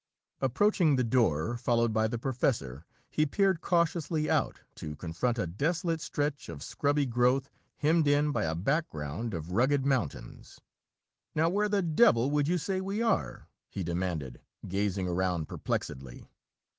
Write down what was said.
Approaching the door, followed by the professor, he peered cautiously out, to confront a desolate stretch of scrubby growth, hemmed in by a background of rugged mountains. "Now where the devil would you say we are?" he demanded, gazing around perplexedly.